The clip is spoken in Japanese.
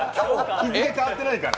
日付変わってないから。